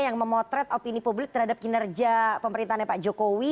yang memotret opini publik terhadap kinerja pemerintahnya pak jokowi